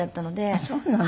あっそうなの。